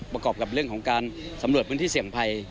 ประกอบกับเรื่องของการสำรวจพื้นที่เสี่ยงภัย